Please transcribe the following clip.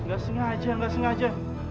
gak sengaja gak sengaja